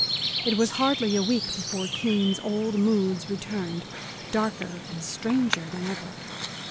It was hardly a week before Keene's old moods returned, darker and stranger than ever.